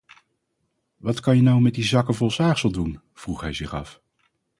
Wat kan je nou met die zakken vol zaagsel doen, vroeg hij zich af.